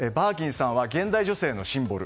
バーキンさんは現代女性のシンボル。